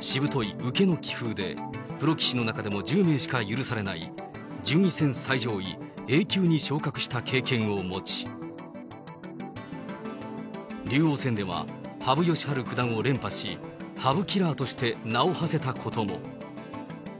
しぶとい受けの棋風で、プロ棋士の中でも１０名しか許されない、順位戦最上位、Ａ級に昇格した経験を持ち、竜王戦では羽生善治九段を連破し、羽生キラーとして名をはせたことも。